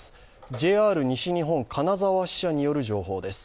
ＪＲ西日本金沢支社の情報です。